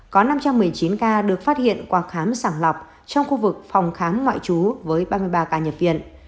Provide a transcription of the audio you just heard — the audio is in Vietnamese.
có năm trăm một mươi chín ca được phát hiện qua khám sàng lọc trong khu vực phòng khám ngoại trú với ba mươi ba ca nhập viện